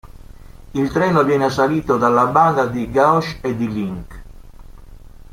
Il treno viene assalito dalla banda di Gauche e di Link.